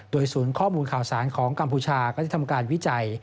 ศูนย์ข้อมูลข่าวสารของกัมพูชาก็จะทำการวิจัย